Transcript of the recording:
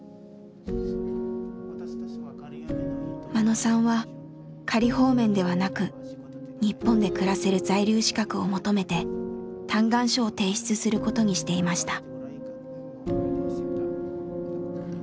眞野さんは仮放免ではなく日本で暮らせる在留資格を求めて嘆願書を提出することにしていました。